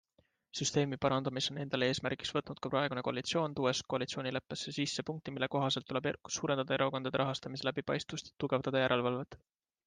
Süsteemi parandamise on endale eesmärgiks võtnud ka praegune koalitsioon, tuues koalitsioonileppesse sisse punkti, mille kohaselt tuleb suurendada erakondade rahastamise läbipaistvust ja tugevdada järelevalvet.